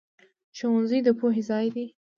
ښوونځی د پوهې ځای دی